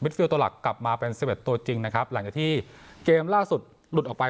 ฟิลตัวหลักกลับมาเป็นสิบเอ็ดตัวจริงนะครับหลังจากที่เกมล่าสุดหลุดออกไป